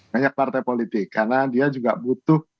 banyak partai politik karena dia juga butuh